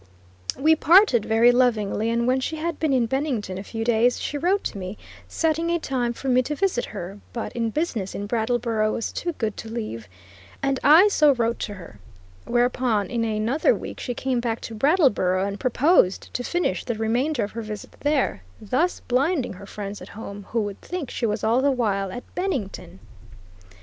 We parted very lovingly, and when she had been in Bennington a few days she wrote to me, setting a time for me to visit her; but in business in Brattleboro was too good to leave, and I so wrote to her. Whereupon, in another week, she came back to Brattleboro and proposed to finish the remainder of her visit there, thus blinding her friends at home who would think she was all the while at Bennington.